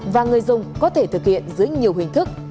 và người dùng có thể thực hiện dưới nhiều hình thức